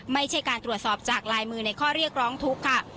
ไม่ใช่การตรวจสอบจากลายมือในข้อเรียกร้องทุกข์ค่ะ